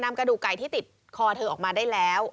กระดูกไก่ที่ติดคอเธอออกมาได้แล้ว